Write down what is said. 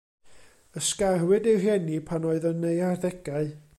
Ysgarwyd ei rhieni pan oedd yn ei harddegau.